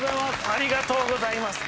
ありがとうございます。